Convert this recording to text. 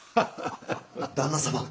・旦那様。